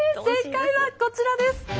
正解はこちらです。